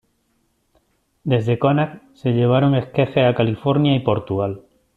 Desde Cognac, se llevaron esquejes a California y Portugal.